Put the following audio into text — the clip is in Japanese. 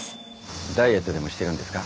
ダイエットでもしてるんですか？